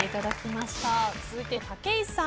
続いて武井さん。